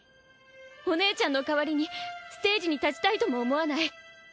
お姉ちゃんの代わりにステージに立ちたいとも思わない！